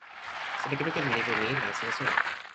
sina kepeken lipu ni la sina sona.